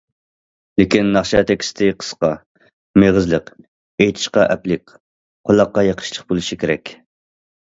لېكىن ناخشا تېكىستى قىسقا، مېغىزلىق، ئېيتىشقا ئەپلىك، قۇلاققا يېقىشلىق بولۇشى كېرەك.